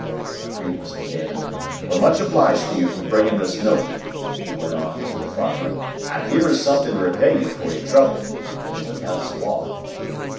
agreed Mr. Damon. "We're much obliged to you for bringing this note," he went on to the farmer. "And here is something to repay you for your trouble," and he took out his wallet.